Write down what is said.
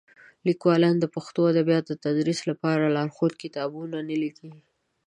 لیکوالان د پښتو ادبیاتو د تدریس لپاره لارښود کتابونه نه لیکي.